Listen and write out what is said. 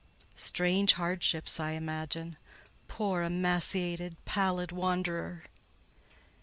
"Strange hardships, I imagine—poor, emaciated, pallid wanderer!"